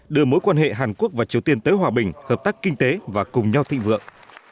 đưa mối quan hệ hàn quốc và triều tiên tới hòa bình hợp tác kinh tế và cùng nhau thịnh vượng